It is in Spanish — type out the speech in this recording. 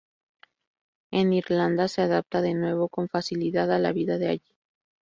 En Irlanda se adapta de nuevo con facilidad a la vida de allí.